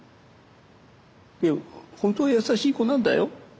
いや本当は優しい子なんだよ。